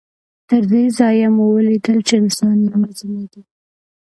تر دې ځایه مو ولیدل چې انسان یوازې نه دی.